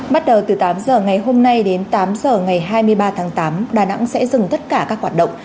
bắt đầu từ tám giờ ngày hôm nay đến tám h ngày hai mươi ba tháng tám đà nẵng sẽ dừng tất cả các hoạt động